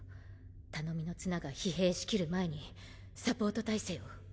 頼みの綱が疲弊し切る前にサポート体制を。